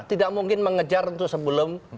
tidak mungkin mengejar untuk sebelum